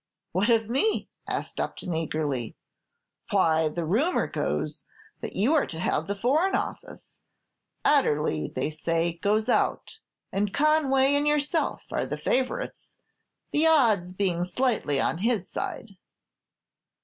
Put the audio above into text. "What of me?" asked Upton, eagerly. "Why, the rumor goes that you are to have the Foreign Office; Adderley, they say, goes out, and Conway and yourself are the favorites, the odds being slightly on his side."